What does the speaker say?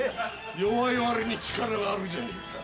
弱いわりに力があるじゃねえか。